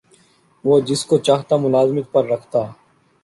وہ جس کو چاہتا ملازمت پر رکھتا